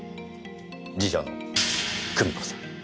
次女の久美子さん。